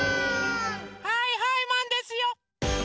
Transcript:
はいはいマンですよ！